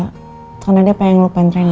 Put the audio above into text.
karena dia pengen lupain reyna